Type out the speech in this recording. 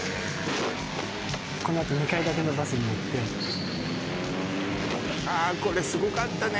このあと２階建てのバスに乗ってあーこれすごかったね